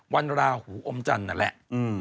วันราวหูอมจันทร์น่ะแหละ